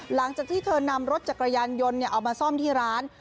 หลังจากที่เธอนำรถจักรยานยนต์เอามาซ่อมที่ร้าน